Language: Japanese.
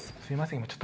すいません。